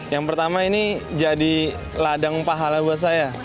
yang pertama ini jadi ladang pahala buat saya